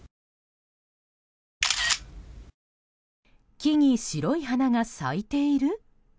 木に白い花が咲いている？